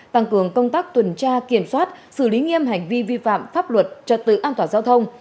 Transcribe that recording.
tăng cường công tác tuần tra kiểm soát xử lý nghiêm hành vi vi phạm pháp luật trật tự an toàn giao thông